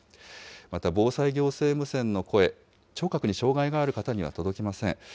また防災行政無線の声、聴覚に障害がある方には届きません。